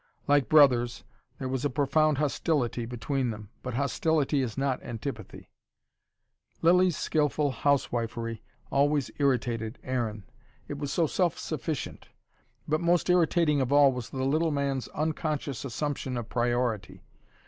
Like brothers, there was a profound hostility between them. But hostility is not antipathy. Lilly's skilful housewifery always irritated Aaron: it was so self sufficient. But most irritating of all was the little man's unconscious assumption of priority.